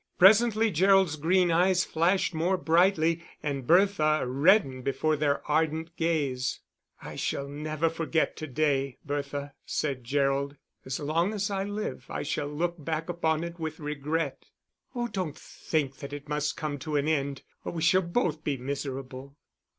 Presently Gerald's green eyes flashed more brightly, and Bertha reddened before their ardent gaze. "I shall never forget to day, Bertha," said Gerald. "As long as I live I shall look back upon it with regret." "Oh, don't think that it must come to an end, or we shall both be miserable."